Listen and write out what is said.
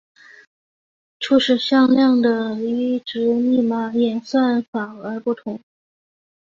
初始向量的值依密码演算法而不同。